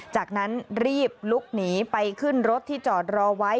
จากนั้นรีบลุกหนีไปขึ้นรถที่จอดรอไว้